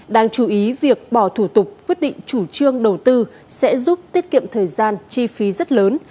đáng chú ý việc bỏ thủ tục quyết định chủ trương đầu tư sẽ giúp tiết kiệm thời gian chi phí rất lớn